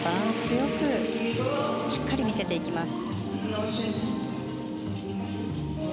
よくしっかり見せていきます。